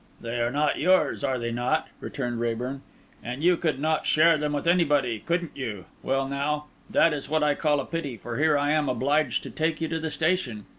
"They are not yours, are they not?" returned Raeburn. "And you could not share them with anybody, couldn't you? Well now, that is what I call a pity; for here am I obliged to take you to the station.